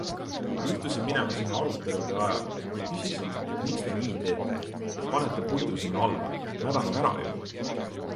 Juhtusin minema sinna arutelude ajal ja küsisin, et miks te nii teete, et panete puidu sinna alla, mädaneb ära ju.